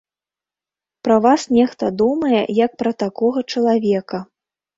Пра вас нехта думае як пра такога чалавека.